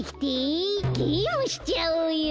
ゲームしちゃおうよ。